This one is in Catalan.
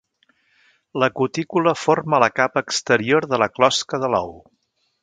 La cutícula forma la capa exterior de la closca de l'ou.